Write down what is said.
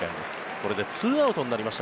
これで２アウトになりました。